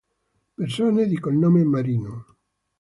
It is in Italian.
Persone di cognome Marino